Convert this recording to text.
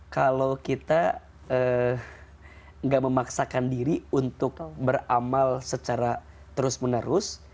kalau kita tidak memaksakan diri untuk beramal secara terus menerus